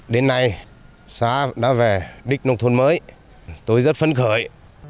đến nay xã đã về đích nông thôn mới tôi rất phấn khởi